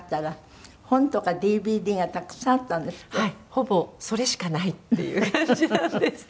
ほぼそれしかないっていう感じなんです。